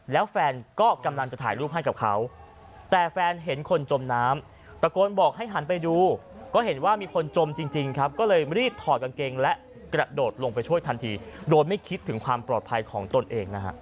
แล้วแฟนก็กำลังจะถ่ายรูปให้กับเขาแต่แฟนเห็นคนจมน้ำตะโกนบอกให้หันไปดูก็เห็นว่ามีคนจมจริงครับก็เลยรีบถอดกางเกงและกระโดดลงไปช่วยทันทีโดยไม่คิดถึงความปลอดภัยของตนเองนะฮะ